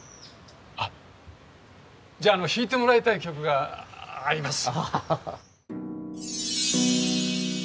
あっじゃあ弾いてもらいたい曲があります。